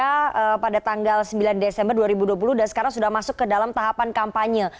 karena pada tanggal sembilan desember dua ribu dua puluh dan sekarang sudah masuk ke dalam tahapan kampanye